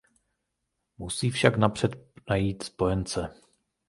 Musí však napřed najít spojence.